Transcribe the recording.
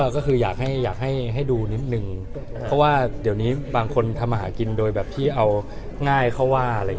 ก็คืออยากให้ดูนิดนึงเพราะว่าเดี๋ยวนี้บางคนทำอาหารกินโดยแบบที่เอาง่ายเข้าว่าอะไรอย่างนี้